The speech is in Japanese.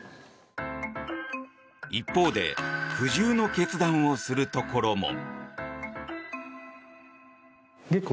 一方で苦渋の決断をするところも。